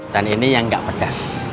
dan ini yang gak pedas